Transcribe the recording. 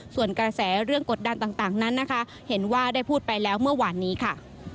ส่วนกระแสเรื่องกดดันต่างนั้นนะคะเห็นว่าได้พูดไปแล้วเมื่อวานนี้ค่ะ